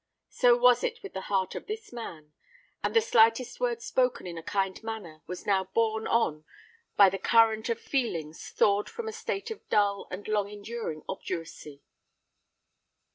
So was it with the heart of this man; and the slightest word spoken in a kind manner was now borne on by the current of feelings thawed from a state of dull and long enduring obduracy.